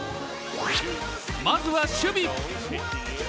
まずは守備。